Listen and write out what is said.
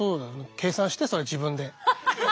計算してそれ自分で。